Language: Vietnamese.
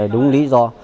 đúng lý do